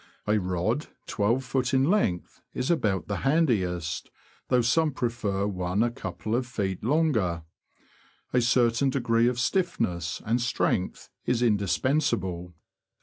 A rod 12ft. in length is about the handiest, though some prefer one a couple of feet longer ; a certain degree of stiffness and strength is indispensable.